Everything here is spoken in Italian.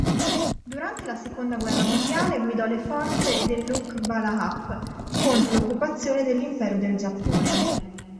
Durante la seconda guerra mondiale, guidò le forze dell'Hukbalahap contro l'occupazione dell'Impero del Giappone.